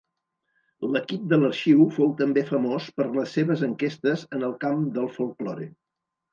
L'equip de l'arxiu fou també famós per les seves enquestes en el camp del folklore.